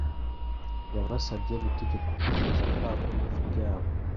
Yabasabye gutegeka ukwifuza kwabo n’ipfa ryabo.